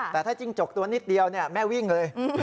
แต่ถ้าจิ้งจกตัวนิดเดียวแม่วิ่งเลย